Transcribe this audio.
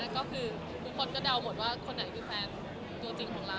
ก็คือทุกคนก็เดาหมดว่าคนไหนคือแฟนตัวจริงของเรา